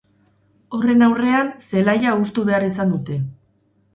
Horren aurrean zelaia hustu behar izan dute.